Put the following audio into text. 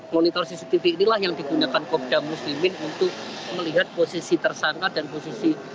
monitor cctv inilah yang digunakan kopda muslimin untuk melihat posisi tersangka dan posisi